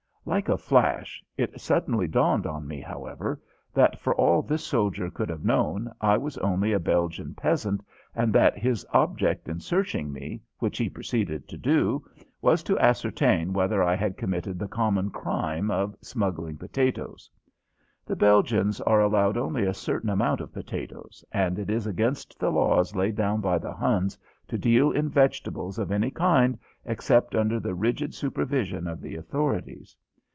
Like a flash it suddenly dawned on me, however, that for all this soldier could have known I was only a Belgian peasant and that his object in searching me, which he proceeded to do, was to ascertain whether I had committed the common "crime" of smuggling potatoes! The Belgians are allowed only a certain amount of potatoes, and it is against the laws laid down by the Huns to deal in vegetables of any kind except under the rigid supervision of the authorities.